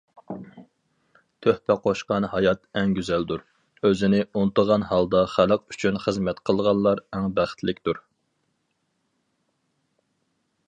تۆھپە قوشقان ھايات ئەڭ گۈزەلدۇر، ئۆزىنى ئۇنتۇغان ھالدا خەلق ئۈچۈن خىزمەت قىلغانلار ئەڭ بەختلىكتۇر.